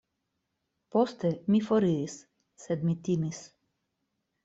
Poste mi foriris, sed mi timis.